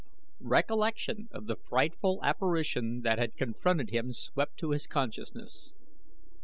Recollection of the frightful apparition that had confronted him swept to his consciousness.